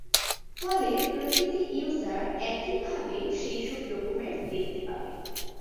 ফলে প্রতিটি ইউজার একইভাবে সেসব ডকুমেন্ট দেখতে পাবে।